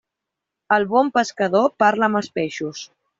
El bon pescador parla amb els peixos.